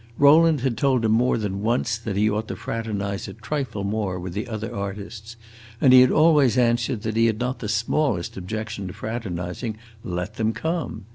Rowland had told him more than once that he ought to fraternize a trifle more with the other artists, and he had always answered that he had not the smallest objection to fraternizing: let them come!